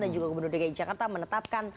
dan juga gubernur dg jakarta menetapkan